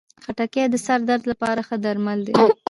خټکی د سر درد لپاره ښه درمل دی.